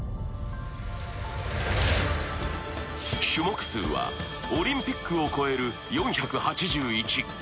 種目数はオリンピックを超える４８１